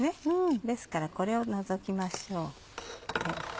ですからこれを除きましょう。